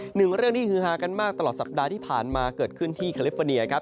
หนึ่งเรื่องที่ฮือฮากันมากตลอดสัปดาห์ที่ผ่านมาเกิดขึ้นที่คาลิฟเฟอร์เนียครับ